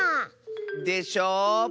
でしょう